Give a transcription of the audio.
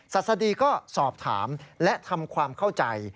ศัษฎีก็สอบถามและทำความเข้าใจ